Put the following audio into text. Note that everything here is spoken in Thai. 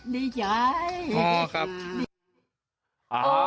ดีใจ